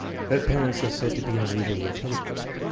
Her parents are said to be unusually intelligent.